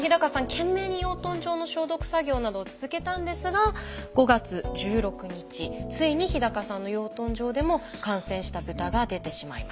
懸命に養豚場の消毒作業などを続けたんですが５月１６日ついに日さんの養豚場でも感染した豚が出てしまいます。